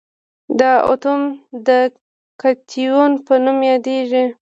دا اتوم د کتیون په نوم یادیږي.